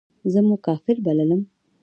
زه مو کافر بللم.